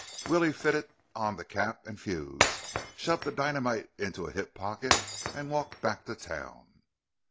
Willie fitted on the cap and fuse, shoved the dynamite into a hip pocket and walked back to town.